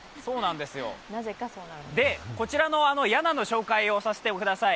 こちらのやなの紹介をさせてください。